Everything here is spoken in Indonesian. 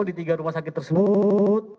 di tiga rumah sakit tersebut